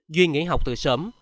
duyên nghỉ học từ sớm